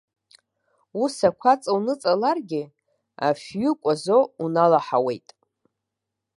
Ус ақәаҵа уныҵаларгьы, афҩы кәазо уналаҳауеит.